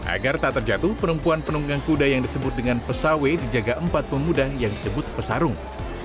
agar tak terjatuh penumpuan penunggang kuda yang disebut dengan pesawe dijaga empat pemuda yang disebut pesarung